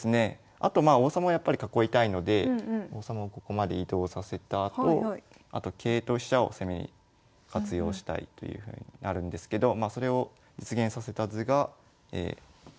あとまあ王様はやっぱり囲いたいので王様をここまで移動させたあとあと桂と飛車を攻めに活用したいというふうになるんですけどそれを実現させた図が。